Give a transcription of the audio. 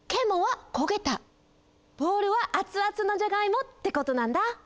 ボールはあつあつのじゃがいもってことなんだ。